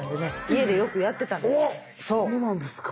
家でよくやってたんですよ。